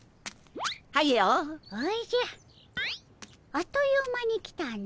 あっという間に来たの。